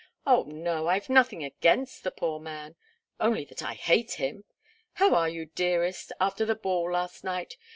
Oh, no! I've nothing against the poor man only that I hate him! How are you, dearest, after the ball, last night?